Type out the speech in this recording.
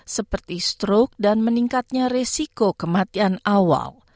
seperti stroke dan meningkatnya resiko kematian awal